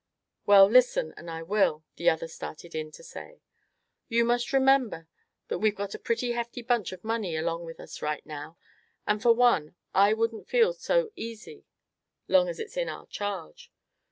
"Well, listen and I will," the other started in to say; "you must remember that we've got a pretty hefty bunch of money along with us right now; and for one I won't feel easy so long as it's in our charge."